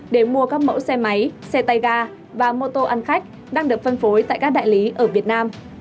để mua các mẫu xe máy xe tay ga và mô tô ăn khách đang được phân phối tại các đại lý ở việt nam